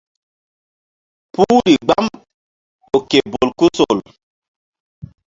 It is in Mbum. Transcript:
Puhri gbam ƴo ke bolkusol.